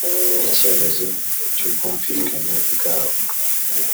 icyemezo cy’ ubwumvikane bwabo